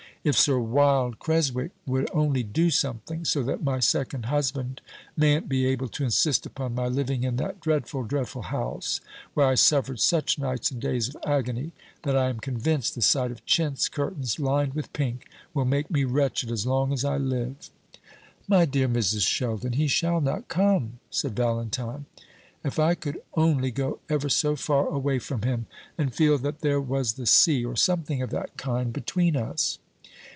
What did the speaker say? "If Sir Wilde Creswick would only do something, so that my second husband mayn't be able to insist upon my living in that dreadful, dreadful house, where I suffered such nights and days of agony, that I am convinced the sight of chintz curtains lined with pink will make me wretched as long as I live!" "My dear Mrs. Sheldon, he shall not come," said Valentine. "If I could only go ever so far away from him, and feel that there was the sea, or something of that kind, between us!"